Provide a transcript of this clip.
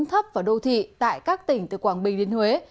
trúng thấp vào đô thị tại các tỉnh từ quảng bình đến huế